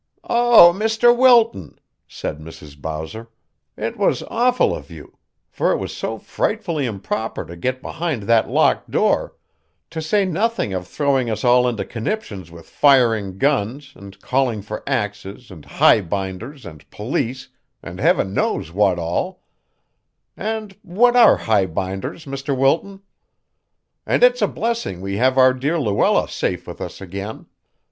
"Oh, Mr. Wilton," said Mrs. Bowser, "it was awful of you for it was so frightfully improper to get behind that locked door, to say nothing of throwing us all into conniptions with firing guns, and calling for axes, and highbinders, and police, and Heaven knows what all and what are highbinders, Mr. Wilton? And it's a blessing we have our dear Luella safe with us again.